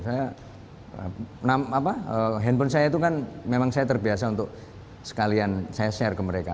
saya handphone saya itu kan memang saya terbiasa untuk sekalian saya share ke mereka